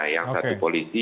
yang satu polisi